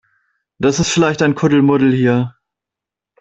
Das ist vielleicht ein Kuddelmuddel hier.